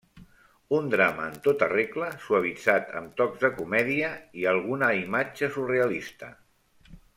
Un drama en tota regla suavitzat amb tocs de comèdia i alguna imatge surrealista.